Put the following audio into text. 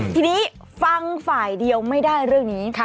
ทีนี้ฟังฝ่ายเดียวไม่ได้เรื่องนี้